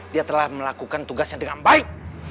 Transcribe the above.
dia telah melakukan tugasnya dengan baik